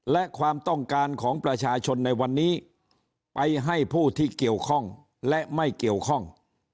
และความต้องการของประชาชนในวันนี้ไปให้ผู้ที่เกี่ยวข้องและไม่เกี่ยวข้อง